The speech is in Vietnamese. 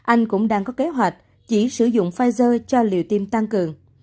anh cũng đang có kế hoạch chỉ sử dụng pfizer cho liều tiêm tăng cường